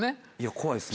怖いですね。